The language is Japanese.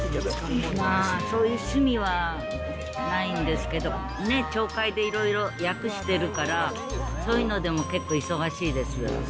まあそういう趣味はないんですけどね、町会でいろいろ役してるから、そういうのでも結構忙しいです。